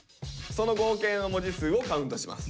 その合計の文字数をカウントします。